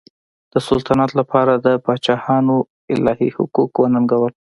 د سلطنت لپاره د پاچاهانو الهي حقوق وننګول.